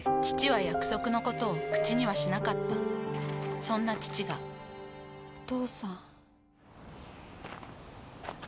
父は約束のことを口にはしなかったそんな父がお父さん。